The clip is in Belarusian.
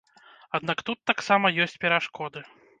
Аднак тут таксама ёсць перашкоды.